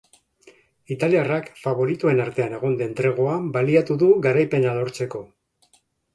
Italiarrak faboritoen artean egon den tregoa baliatu du garaipena lortzeko.